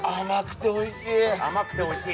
甘くて美味しい。